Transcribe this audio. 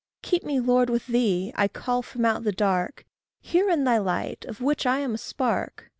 Keep me, Lord, with thee. I call from out the dark Hear in thy light, of which I am a spark.